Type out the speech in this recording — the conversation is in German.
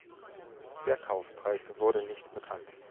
Der Kaufpreis wurde nicht bekannt.